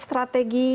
ini strategi pendanaan